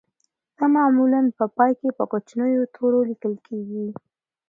دا معمولاً په پای کې په کوچنیو تورو لیکل کیږي